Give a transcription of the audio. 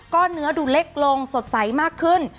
ก็เนื้อดูเล็กลงสดใสมากขึ้น